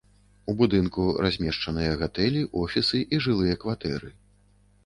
У будынку размешчаныя гатэлі, офісы і жылыя кватэры.